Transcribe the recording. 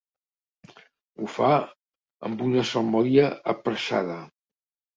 Ho fa amb una salmòdia apressada.